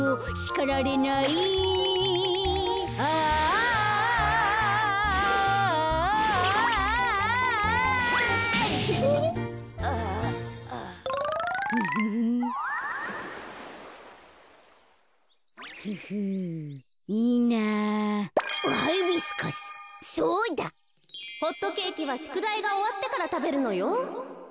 かいそうホットケーキはしゅくだいがおわってからたべるのよ。